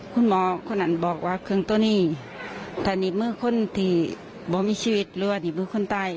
คุณหมอคนนั้นบอกว่าเครื่องตัวนี้ถ้าหนีบมือคนที่บอกมีชีวิตหรือว่าหนีบมือคนตาย